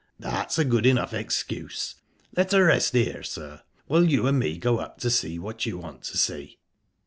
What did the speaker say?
That's a good enough excuse. Let her rest here, sir, while you and me go up to see what you want to see."